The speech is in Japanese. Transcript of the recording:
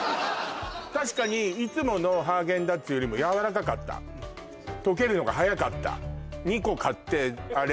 確かにいつものハーゲンダッツよりもやわらかかった溶けるのがはやかった２個買ってあれ